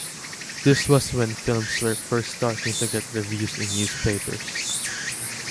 This was when films were first starting to get reviews in newspapers.